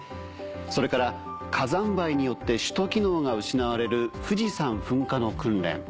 それから火山灰によって首都機能が失われる富士山噴火の訓練。